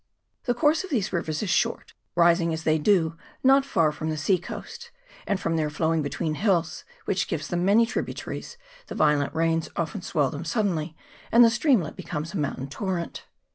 The course of these rivers is short, rising as they do not far from the sea coast ; and from their flowing between hills, which gjive them many tributaries, the violent rains often swell them suddenly, and the streamlet becomes a mountain torrent.